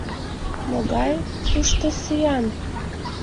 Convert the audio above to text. Могай тушто сӱан?!.